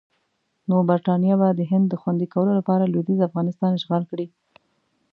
نو برټانیه به د هند د خوندي کولو لپاره لویدیځ افغانستان اشغال کړي.